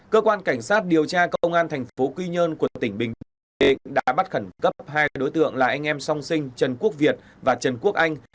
cơ quan cảnh sát điều tra công an thành phố quy nhơn của tỉnh bình định đã bắt khẩn cấp hai đối tượng là anh em song sinh trần quốc việt và trần quốc anh